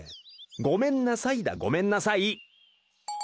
「ごめんなさい」だ「ごめんなさい」。